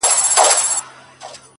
• زه هم له خدايه څخه غواړمه تا ـ